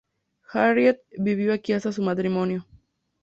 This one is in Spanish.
Harriet vivió aquí hasta su matrimonio.